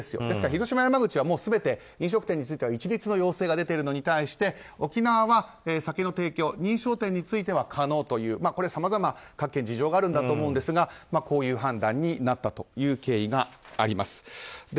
ですから広島、山口は全て飲食店は一律の要請が出ているのに対して沖縄は酒の提供認証店については可能という、さまざま各県の事情があると思いますがこの判断になったという経緯があります。